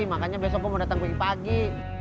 makanya besok gue mau dateng pagi pagi